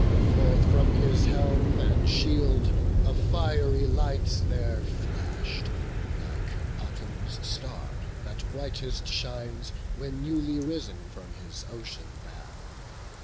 Forth from his helm and shield a fiery light There flash'd, like autumn's star, that brightest shines When newly risen from his ocean bath.